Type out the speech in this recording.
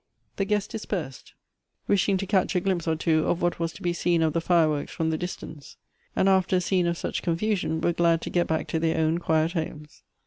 The guests dispersed, wishing to catch a glimpse or two of what was to be seen of the fireworks from the dis tance ; and, after a scene of such confusion, were glad to get back to their own quiet homes.